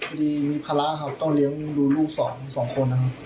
พอดีมีพลาต้องเลี้ยงดูลูก๒คน